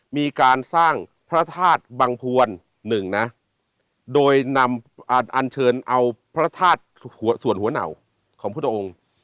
มีการสร้างพระธาตุบังพวนหนึ่งนะโดยนำอันเชิญเอาพระธาตุส่วนหัวเหนาของพุทธองค์